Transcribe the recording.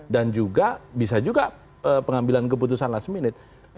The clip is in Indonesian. dan juga bisa juga pengambilan keputusan last minute